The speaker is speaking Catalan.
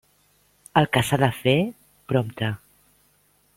El que s'ha de fer, prompte.